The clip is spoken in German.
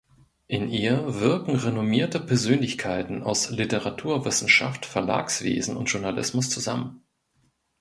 In ihr wirken renommierte Persönlichkeiten aus Literaturwissenschaft, Verlagswesen und Journalismus zusammen.